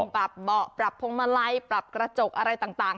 ปรับเบาะปรับพวงมาลัยปรับกระจกอะไรต่าง